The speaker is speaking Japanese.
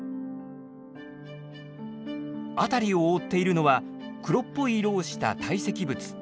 辺りを覆っているのは黒っぽい色をした堆積物。